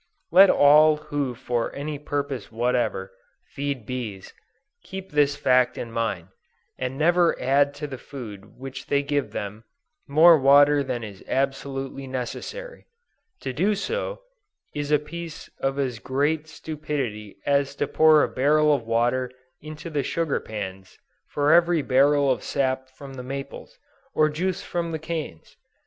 Let all who for any purpose whatever, feed bees, keep this fact in mind, and never add to the food which they give them, more water than is absolutely necessary. To do so, is a piece of as great stupidity as to pour a barrel of water into the sugar pans, for every barrel of sap from the maples, or juice from the canes!